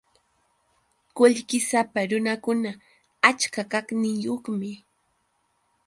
Qullqisapa runakuna achka kaqniyuqmi.